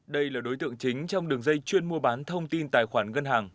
đây là đối tượng chính trong đường dây chuyên mua bán thông tin tài khoản ngân hàng